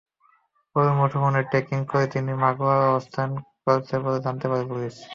পরে মুঠোফোন ট্র্যাকিং করে তিনি মাগুরায় অবস্থান করছেন বলে জানতে পারে পুলিশ।